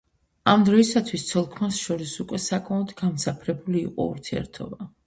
ამ დროისათვის ცოლ-ქმარს შორის უკვე საკმაოდ გამძაფრებული იყო ურთიერთობა.